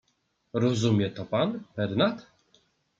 "Rozumie to pan, Pernat?"